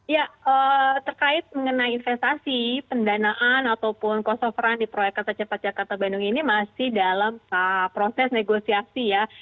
ya terkait mengenai investasi pendanaan ataupun cost of run di proyek kereta cepat jakarta bandung ini masih dalam proses negosiasi ya